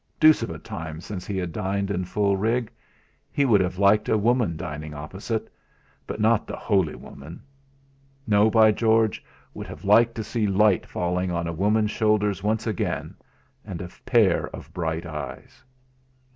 Deuce of a time since he had dined in full fig! He would have liked a woman dining opposite but not the holy woman; no, by George! would have liked to see light falling on a woman's shoulders once again, and a pair of bright eyes!